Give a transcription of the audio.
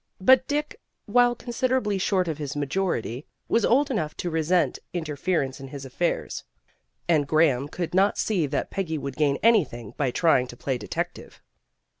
But Dick, while considerably short of his majority, was old enough to resent inter ference in his affairs, and Graham could not see that Peggy would gain anything by trying to play detective.